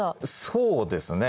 そうですね。